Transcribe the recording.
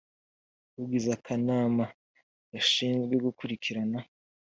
ugize akanama gashinzwe gukurikirana